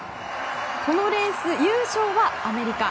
このレース優勝はアメリカ。